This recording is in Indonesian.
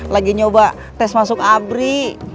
lagi nyoba tes masuk abri